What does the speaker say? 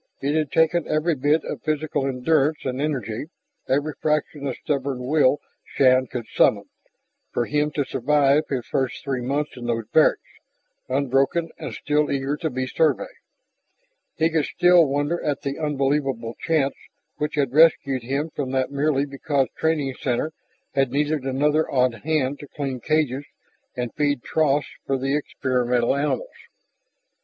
It had taken every bit of physical endurance and energy, every fraction of stubborn will Shann could summon, for him to survive his first three months in those barracks unbroken and still eager to be Survey. He could still wonder at the unbelievable chance which had rescued him from that merely because Training Center had needed another odd hand to clean cages and feed troughs for the experimental animals.